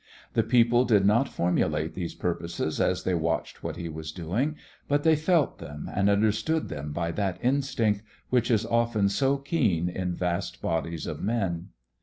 The people did not formulate these purposes as they watched what he was doing, but they felt them and understood them by that instinct which is often so keen in vast bodies of men.